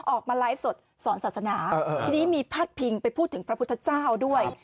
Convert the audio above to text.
ออกมาไลฟ์สดสอนศาสนาทีนี้มีพาดพิงไปพูดถึงพระพุทธเจ้าด้วย